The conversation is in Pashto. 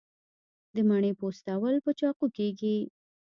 د مڼې پوستول په چاقو کیږي.